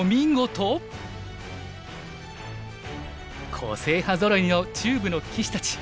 個性派ぞろいの中部の棋士たち。